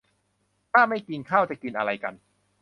ถ้าไม่กินข้าวจะกินอะไรกัน